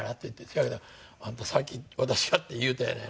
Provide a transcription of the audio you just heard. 「せやけどあんたさっき私がって言うたよね？」。